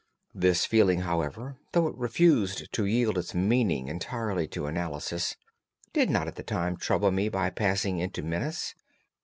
The feeling, however, though it refused to yield its meaning entirely to analysis, did not at the time trouble me by passing into menace.